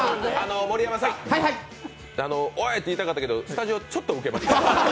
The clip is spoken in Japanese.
盛山さんオイ！って言いたかったけどスタジオ、ちょっとウケました。